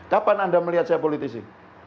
kapan anda melihat saya politisi